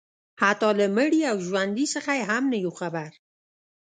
حتی له مړي او ژوندي څخه یې هم نه یو خبر